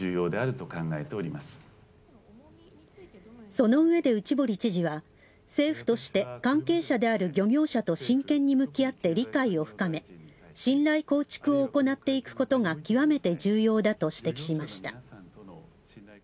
そのうえで内堀知事は政府として関係者である漁業者と真剣に向き合って理解を深め信頼構築を行っていくことが極めて重要だと指摘しました。